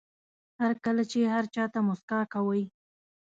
هر کله چې هر چا ته موسکا کوئ.